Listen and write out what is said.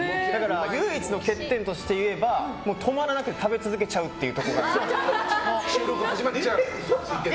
唯一の欠点としていえば止まらなくて食べ続けちゃうというところが。